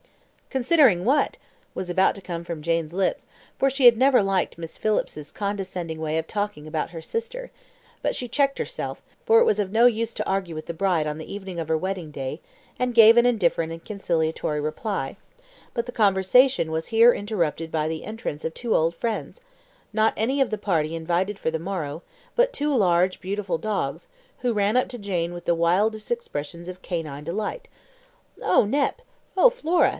"Considering what?" was about to come from Jane's lips, for she had never liked Miss Phillips's condescending way of talking about her sister; but she checked herself, for it was no use to argue with the bride on the eve of her wedding day, and gave an indifferent and conciliatory reply; but the conversation was here interrupted by the entrance of two old friends, not any of the party invited for the morrow, but two large beautiful dogs, who ran up to Jane with the wildest expressions of canine delight. "Oh, Nep! oh Flora!"